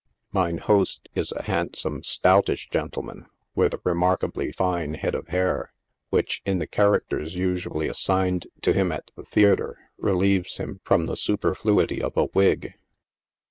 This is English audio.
" Mine host" is a handsome, stoutish gentleman, with a re markably fine head of Lair, which, in the characters usually assigned to him at the theatre, relieves him from the superfluity of a wig.